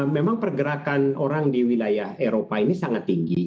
memang pergerakan orang di wilayah eropa ini sangat tinggi